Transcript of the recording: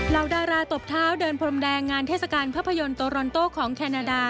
ดาราตบเท้าเดินพรมแดงงานเทศกาลภาพยนตร์โตรอนโต้ของแคนาดา